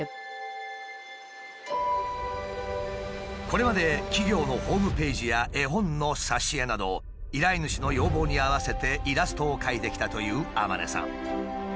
これまで企業のホームページや絵本の挿絵など依頼主の要望に合わせてイラストを描いてきたというアマネさん。